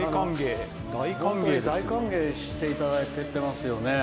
大歓迎していただいてますよね。